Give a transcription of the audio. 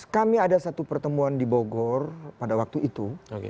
kami ada satu pertemuan di bogor pada waktu itu